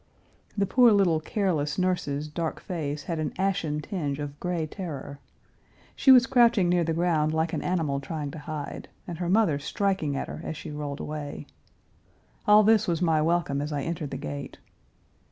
The poor little careless nurse's dark face had an ashen tinge of gray terror. She was crouching near the ground like an animal trying to hide, and her mother striking at her as she rolled away. All this was my welcome as I entered the gate.